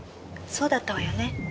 そうだったわよね。